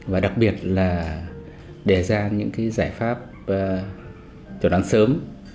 và đặc biệt là đề ra những cái giải pháp chuẩn đoán sớm